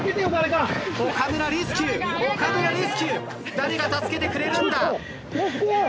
誰が助けてくれるんだ？